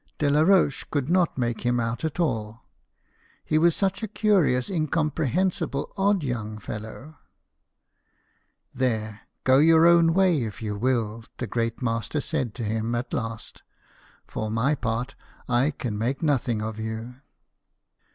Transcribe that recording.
Delaroche could not make him out at all ; he was such a curious, incomprehensible, 124 BIOGRAPHIES OF WORKING MEN. odd young fellow !" There, go your own way, if you will," the great master said to him at last ;" for my part, I can make nothing of you."